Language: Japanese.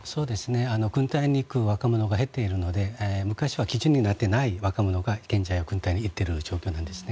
軍隊に行く若者が減っているので昔は基準に達していない若者が現在は軍隊に行っている状態なんですね。